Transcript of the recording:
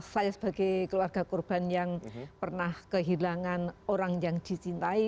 saya sebagai keluarga korban yang pernah kehilangan orang yang dicintai